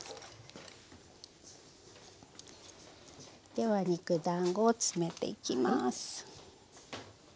では肉だんごを詰めていきます。